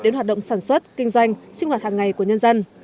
đến hoạt động sản xuất kinh doanh sinh hoạt hàng ngày của nhân dân